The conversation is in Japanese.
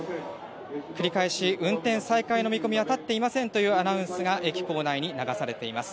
繰り返し運転再開の見込みは立っていませんというアナウンスが駅構内に流されています。